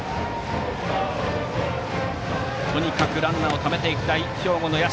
とにかくランナーをためたい兵庫の社。